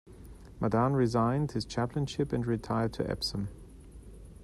Madan resigned his chaplainship and retired to Epsom.